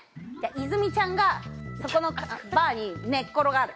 泉ちゃんがそこのバーに寝っ転がる。